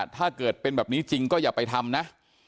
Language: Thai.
ถ้าเกิดเป็นแบบนี้จริงก็อย่าไปทำนะ